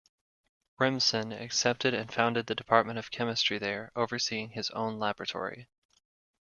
Remsen accepted and founded the department of chemistry there, overseeing his own laboratory.